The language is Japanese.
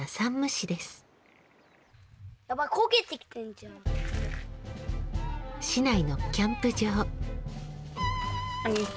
市内のキャンプ場。